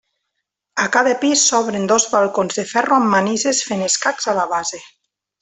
A cada pis s'obren dos balcons de ferro amb manises fent escacs a la base.